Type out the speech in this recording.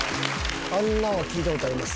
あんなんは聞いたことあります？